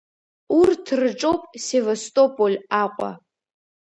Урҭ рҿоуп Севастополь Аҟәа…